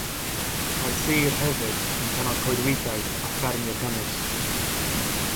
Mae'r sir hefyd yn cynnal coedwigaeth a ffermio cymysg.